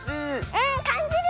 うんかんじる！